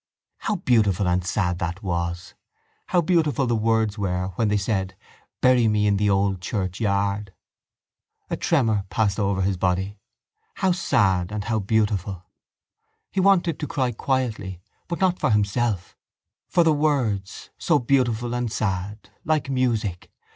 How beautiful and sad that was! How beautiful the words were where they said Bury me in the old churchyard! A tremor passed over his body. How sad and how beautiful! He wanted to cry quietly but not for himself: for the words, so beautiful and sad, like music.